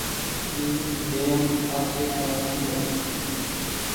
اي گئيم آڇي ڪونيٚ ڇي۔